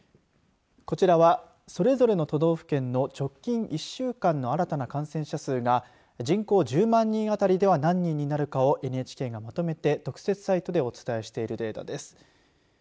こちらは、それぞれの都道府県の直近１週間の新たな感染者数が人口１０万人あたりでは何人になるかをＮＨＫがまとめて特設サイトでお伝えしているデータです。